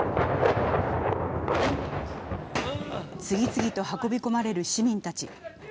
次々と運び込まれる市民たち。